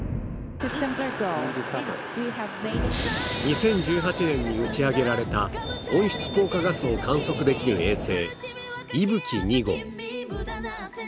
２０１８年に打ち上げられた温室効果ガスを観測できる衛星、いぶき２号。